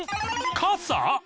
傘！？